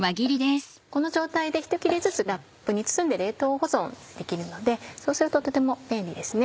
この状態でひと切れずつラップに包んで冷凍保存できるのでそうするととても便利ですね。